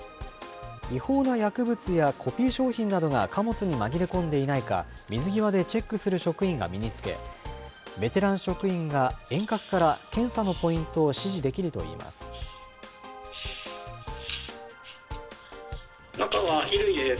違法な薬物やコピー商品などが貨物に紛れ込んでいないか、水際でチェックする職員が身につけ、ベテラン職員が遠隔から検査のポイントを指示できるといいます。